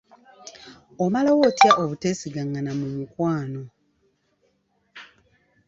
Omalawo otya obuteesigangana mu mukwano?